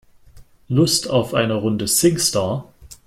Lust auf eine Runde Singstar?